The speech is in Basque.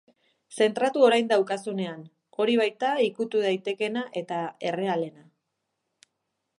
Zentratu orain daukazunean, hori baita ikutu daitekena eta errealena.